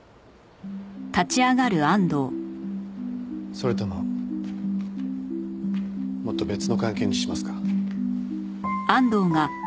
それとももっと別の関係にしますか？